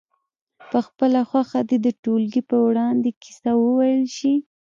په خپله خوښه دې د ټولګي په وړاندې کیسه وویل شي.